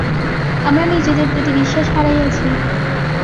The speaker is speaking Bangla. আমরা নিজেদের প্রতি বিশ্বাস হারাইয়াছি।